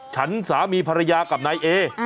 ฉันสามีภรรยากับนายเอ